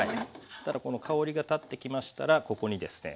そしたら香りがたってきましたらここにですね